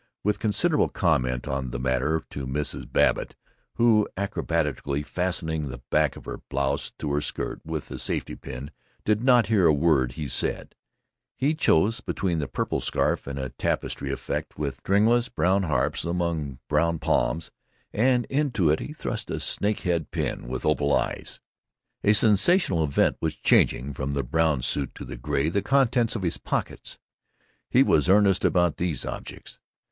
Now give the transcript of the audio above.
With considerable comment on the matter to Mrs. Babbitt (who, acrobatically fastening the back of her blouse to her skirt with a safety pin, did not hear a word he said), he chose between the purple scarf and a tapestry effect with stringless brown harps among blown palms, and into it he thrust a snake head pin with opal eyes. A sensational event was changing from the brown suit to the gray the contents of his pockets. He was earnest about these objects.